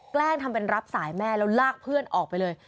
แกล้งทำเป็นรับสายแม่แล้วลากเพื่อนออกไปเลย